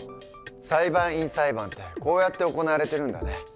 裁判員裁判ってこうやって行われてるんだね。